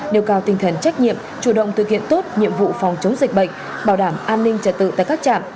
nêu cao tinh thần trách nhiệm chủ động thực hiện tốt nhiệm vụ phòng chống dịch bệnh bảo đảm an ninh trật tự tại các trạm